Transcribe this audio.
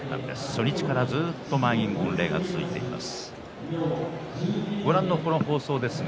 初日からずっと満員御礼が続いています。